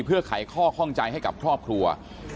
เพื่อข่าวข้องใจให้กับพ่อพทัวร์